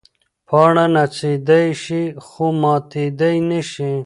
پاڼه نڅېدی شي خو ماتېدی نه شي.